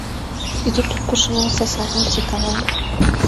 І тут пачынаецца самае цікавае.